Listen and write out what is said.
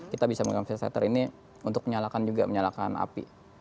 kita bisa memegang fieldsetter ini untuk menyalakan juga menyalakan api